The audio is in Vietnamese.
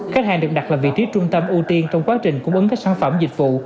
khách hàng được đặt là vị trí trung tâm ưu tiên trong quá trình cung ứng các sản phẩm dịch vụ